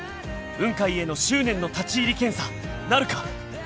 ［雲海への執念の立入検査なるか！？］